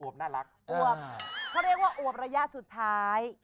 เขาเรียกว่าอวบระยะสุดท้าย